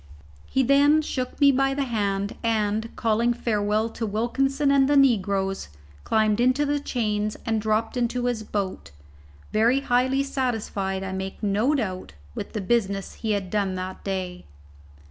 He then shook me by the hand, and, calling a farewell to Wilkinson and the negroes, scrambled into the chains and dropped into his boat, very highly satisfied, I make no doubt, with the business he had done that day.